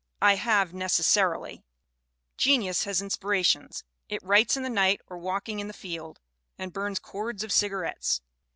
I have necessarily. Genius has inspira tions. It writes in the night, or walking in the field, and burns cords of cigarettes.